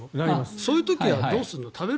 そういう時はどうする？